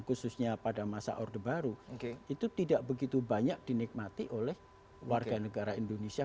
khususnya pada masa orde baru itu tidak begitu banyak dinikmati oleh warga negara indonesia